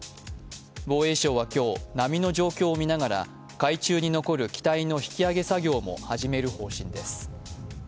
防衛省は今日、波の状況を見ながら海中に残る機体の引き揚げ作業も始める方針です。